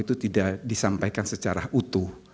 itu tidak disampaikan secara utuh